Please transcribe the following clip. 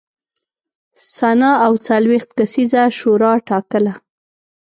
سنا او څلوېښت کسیزه شورا ټاکله